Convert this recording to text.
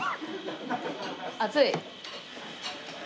熱い？